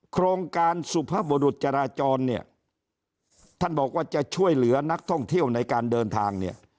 โครงการสุภาพบุรุษจราจรเนี่ยท่านบอกว่าจะช่วยเหลือนักท่องเที่ยวในการเดินทางเนี่ย